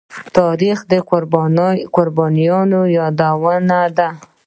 تاریخ د قربانيو يادونه ده.